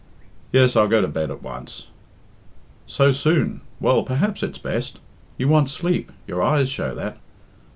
"Yes I'll go to bed at once." "So soon! Well, perhaps it's best. You want sleep: your eyes show that.